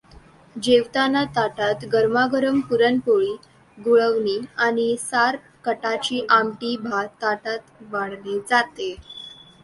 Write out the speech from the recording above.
जेवताना ताटातगरमागरम पुरण पोळी गुळवणीआणि सार कटाची आमटी भात ताटात वाढले जाते.